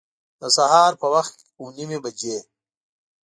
د سهار په وخت اوه نیمي بجي